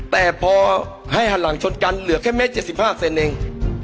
แต่พอให้หันหลังชนกันเหลือแค่เมตร๗๕เซนเอง